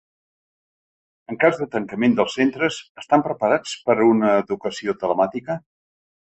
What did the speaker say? En cas de tancament dels centres, estan preparats per a una educació telemàtica?